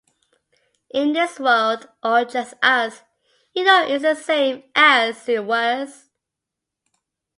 In this world, or just us, you know it's the same as it was.